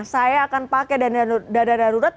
saya akan pakai dana darurat